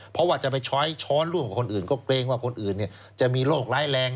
เพราะว่าจะไปใช้ช้อนร่วมกับคนอื่นก็เกรงว่าคนอื่นจะมีโรคร้ายแรง